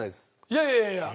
いやいやいやいや。